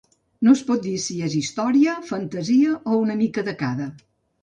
No pot dir si és història, fantasia o una mica de cada.